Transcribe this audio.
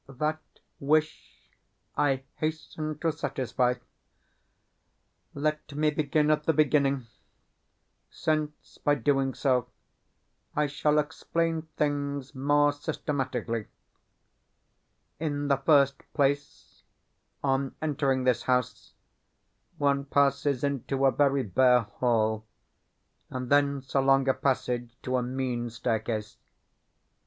That wish I hasten to satisfy. Let me begin at the beginning, since, by doing so, I shall explain things more systematically. In the first place, on entering this house, one passes into a very bare hall, and thence along a passage to a mean staircase.